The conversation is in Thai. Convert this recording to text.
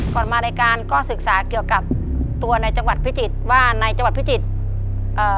มารายการก็ศึกษาเกี่ยวกับตัวในจังหวัดพิจิตรว่าในจังหวัดพิจิตรเอ่อ